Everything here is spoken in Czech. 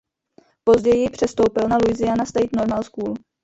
Později přestoupil na Louisiana State Normal School.